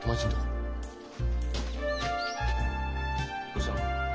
どうしたの？